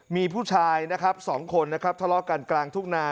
มีผู้ชายนะครับสองคนนะครับทะเลาะกันกลางทุ่งนา